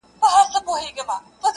هغه په ژړا ستغ دی چي يې هيڅ نه ژړل ـ